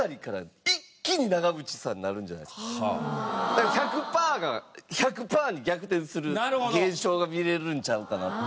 だから１００パーが１００パーに逆転する現象が見れるんちゃうかなと。